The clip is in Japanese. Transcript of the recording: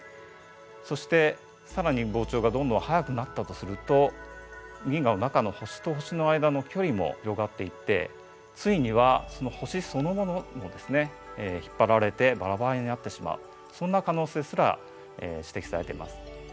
そして更に膨張がどんどん速くなったとすると銀河の中の星と星の間の距離も広がっていってついには星そのものもですね引っ張られてバラバラになってしまうそんな可能性すら指摘されています。